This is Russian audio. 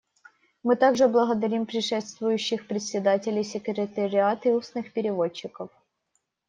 Мы также благодарим предшествующих председателей, секретариат и устных переводчиков.